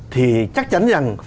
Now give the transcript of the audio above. thì chắc chắn rằng